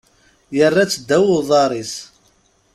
Yerra-tt ddaw uḍar-is.